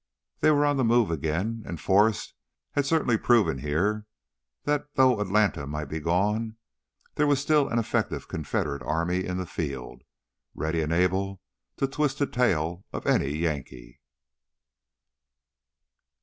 They were on the move again, and Forrest had certainly proven here that though Atlanta might be gone, there was still an effective Confederate Army in the field, ready and able to twist the tail of any Yankee!